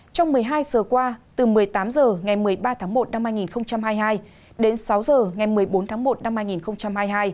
trong một mươi hai giờ qua từ một mươi tám h ngày một mươi ba tháng một năm hai nghìn hai mươi hai đến sáu h ngày một mươi bốn tháng một năm hai nghìn hai mươi hai